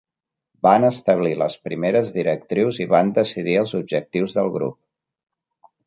Van establir les primeres directrius i van decidir els objectius del grup.